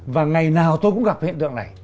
và ngày nào tôi cũng gặp hiện tượng này